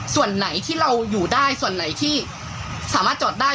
ส่วนไหนที่เราอยู่ได้ส่วนไหนที่สามารถจอดได้